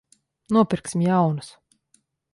Nopirksim jaunas.